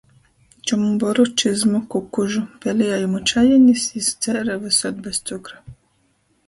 Čomboru, čizmu, kukužu, peliejumu čajenis jis dzēre vysod bez cukra.